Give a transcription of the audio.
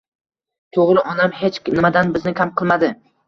To‘g‘ri, onam hech nimadan bizni kam qilmadi.